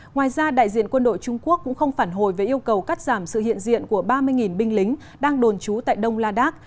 ngoài ra đại diện quân đội trung quốc cũng không phản hồi về yêu cầu cắt giảm sự hiện diện của ba mươi binh lính đang đồn trú tại đông ladak